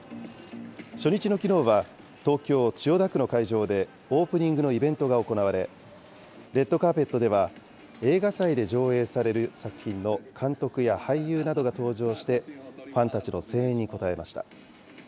初日のきのうは東京・千代田区の会場でオープニングのイベントが行われ、レッドカーペットでは、映画祭で上映される作品の監督や俳優などが登場して、ファンたちの声援に応えました。